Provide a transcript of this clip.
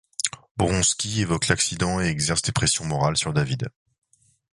Bronsky évoque l’accident et exerce des pressions morales sur David.